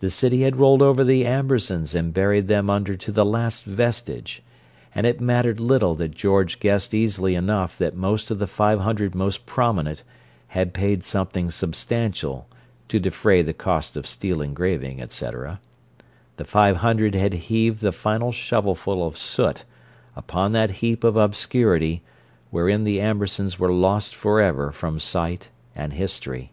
The city had rolled over the Ambersons and buried them under to the last vestige; and it mattered little that George guessed easily enough that most of the five hundred Most Prominent had paid something substantial "to defray the cost of steel engraving, etc."—the Five Hundred had heaved the final shovelful of soot upon that heap of obscurity wherein the Ambersons were lost forever from sight and history.